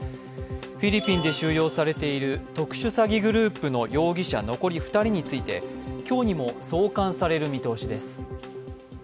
フィリピンで収容されている特殊詐欺グループ容疑者残り２人について今日にも送還される見通しです。